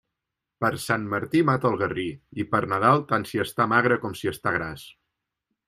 Per Sant Martí mata el garrí, i per Nadal tant si està magre com si està gras.